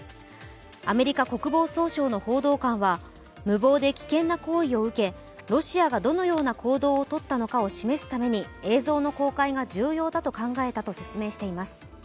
アメリカ国防省の報道官はロシアがどのような行動をとったのかを示すために映像の公開が重要だと考えたと説明しています。